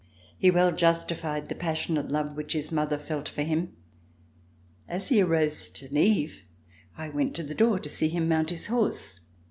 He well justified the passionate love which his mother felt for him. As he arose to leave, I went to the door to see him mount his horse.